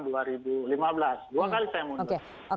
dua kali saya mundur